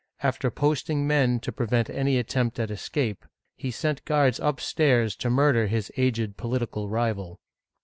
After posting men to prevent any attempt at escape, he sent guards upstairs to murder his aged political rival.